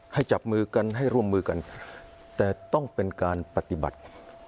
จับมือกันให้ร่วมมือกันแต่ต้องเป็นการปฏิบัติ